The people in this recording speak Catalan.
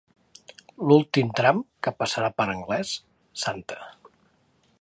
L'últim tram, que passarà per Anglès, Santa.